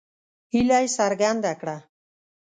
هیله یې څرګنده کړه.